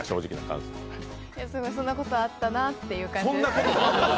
そんなことあったなという感じで。